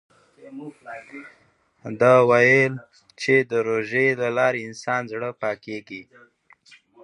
ده وویل چې د روژې له لارې د انسان زړه پاکېږي.